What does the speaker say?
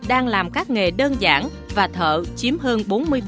đang làm các nghề đơn giản và thợ chiếm hơn bốn mươi